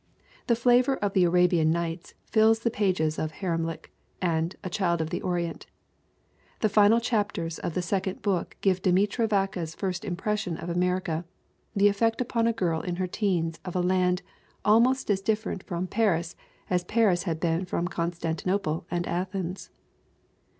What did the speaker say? The flavor of the Arabian Nights fills the pages of Haremlik and A Child of the Orient. The final chapters of the second book give Demetra Vaka's first impressions of Amer ica, the effect upon a girl in her teens of a land al most as different from Paris as Paris had been from Constantinople and Athens.